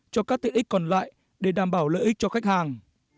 cho các tiện ích còn lại để đảm bảo lợi ích cho khách hàng